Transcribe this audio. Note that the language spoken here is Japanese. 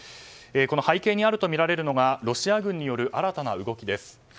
この背景にあるとみられるのがロシア軍による新たな動きです。